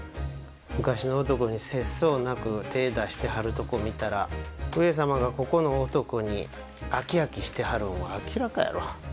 昔の男に節操なく手ぇ出してはるとこ見たら上様がここの男に飽き飽きしてはるんは明らかやろ？